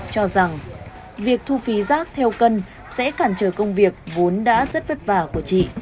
cho rằng việc thu phí rác theo cân sẽ cản trở công việc vốn đã rất vất vả của chị